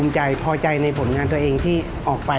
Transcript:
ช่วยฝังดินหรือกว่า